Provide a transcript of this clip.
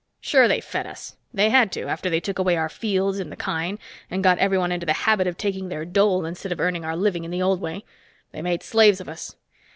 Sure, they fed us. They had to, after they took away our fields and the kine, and got everyone into the habit of taking their dole instead of earning our living in the old way. They made slaves of us.